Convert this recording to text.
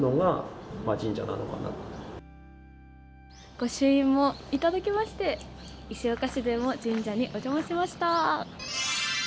御朱印もいただきまして石岡市でも神社にお邪魔しました。